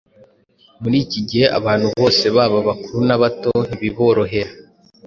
muri iki gihe abantu bose baba abakuru n’abato ntibiborohera